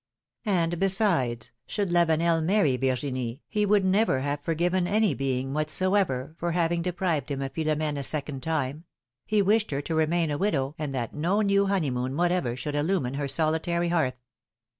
And besides, should Lavenel marry Virginie, he would never have forgiven any being whatsoever for hav ing deprived him of Philomene a second time — he wished her to remain a widow and that no new honey moon what ever should illumine her solitary hearth.